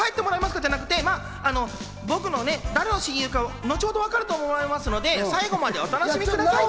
じゃなくて、僕が誰の親友かは、後ほど分かると思いますので、最後までお楽しみください。